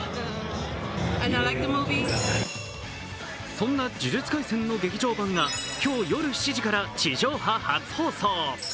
そんな「呪術廻戦」の劇場版が今日夜７時から地上波初放送。